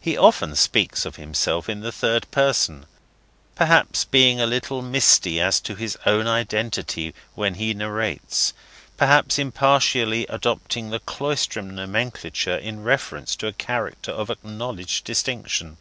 He often speaks of himself in the third person; perhaps, being a little misty as to his own identity, when he narrates; perhaps impartially adopting the Cloisterham nomenclature in reference to a character of acknowledged distinction.